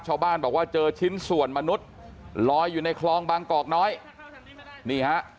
ชาวบ้านบอกว่าเจอชิ้นส่วนมนุษย์ลอยอยู่ในคลองบางกอกน้อยนี่ฮะ